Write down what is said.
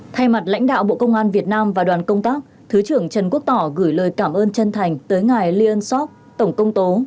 thay mặt lãnh đạo bộ công an việt nam và đoàn công tác thứ trưởng trần quốc tỏ gửi lời cảm ơn chân thành tới ngài lien sok tổng công tố